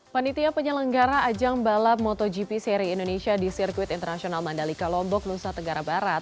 panitia penyelenggara ajang balap motogp seri indonesia di sirkuit internasional mandalika lombok nusa tenggara barat